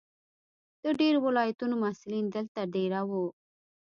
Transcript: د ډېرو ولایتونو محصلین دلته دېره وو.